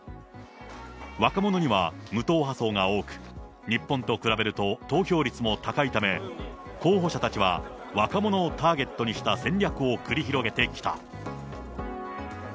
若者には無党派層が多く、日本と比べると投票率も高いため、候補者たちは若者をターゲットにした戦略を繰り広げてきた。